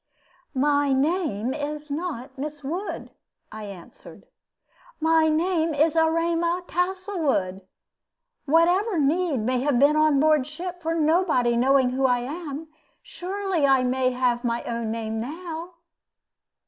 "My name is not Miss Wood," I answered; "my name is 'Erema Castlewood.' Whatever need may have been on board ship for nobody knowing who I am, surely I may have my own name now."